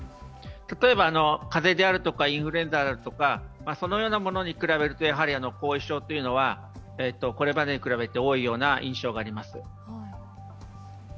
例えば風邪であるとかインフルエンザであるとかそのようなものに比べるとやはり後遺症はこれまでに比べて多いような印象があります。